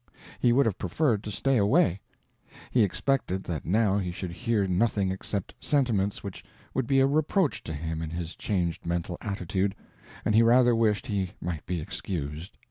He would have preferred to stay away. He expected that now he should hear nothing except sentiments which would be a reproach to him in his changed mental attitude, and he rather wished he might be excused.